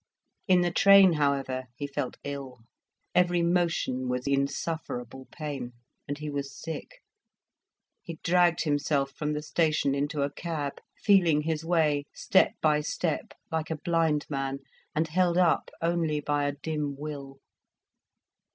In the train, however, he felt ill. Every motion was insufferable pain, and he was sick. He dragged himself from the station into a cab, feeling his way step by step, like a blind man, and held up only by a dim will.